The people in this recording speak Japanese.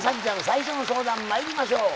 最初の相談まいりましょう。